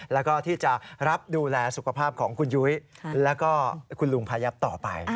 แล้วก็ที่จะรับดูแลสุขภาพของคุณยุ้ยแล้วก็คุณลุงพายับต่อไป